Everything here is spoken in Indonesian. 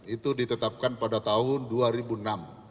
itu ditetapkan pada tahun dua ribu enam